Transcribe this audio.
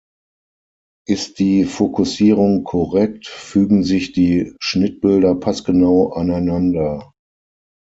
Ist die Fokussierung korrekt, fügen sich die Schnittbilder passgenau aneinander.